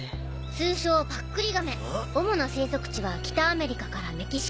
通称パックリ亀主な生息地は北アメリカからメキシコ。